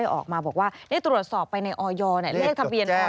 ยอมรับว่าการตรวจสอบเพียงเลขอยไม่สามารถทราบได้ว่าเป็นผลิตภัณฑ์ปลอม